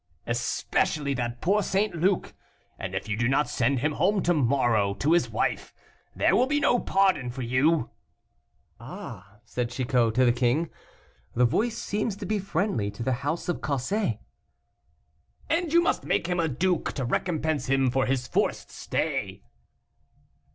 "Especially that poor St. Luc; and if you do not send him home to morrow to his wife, there will be no pardon for you." "Ah!" said Chicot to the king, "the voice seems to be friendly to the house of Cossé." "And you must make him a duke, to recompense him for his forced stay."